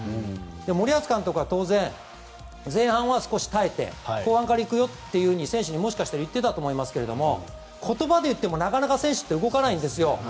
森保監督は当然前半は少し耐えて後半から行くよと選手に言っていたと思いますけど言葉で言ってもなかなか選手って動かないんですよ。